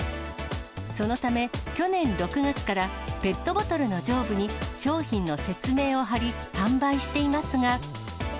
そのため、去年６月からペットボトルの上部に商品の説明を貼り、販売していますが。